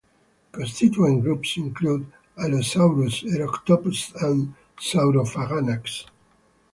Constituent groups include "Allosaurus", "Erectopus", and "Saurophaganax".